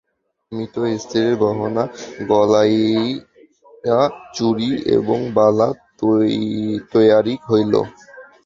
মৃত স্ত্রীর গহনা গলাইয়া চুড়ি এবং বালা তৈয়ারি হইল।